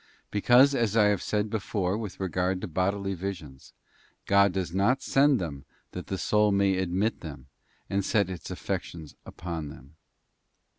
Because, as I have said before with regard to bodily visions, _ God does not send them that the soul may admit them and set its affections upon them.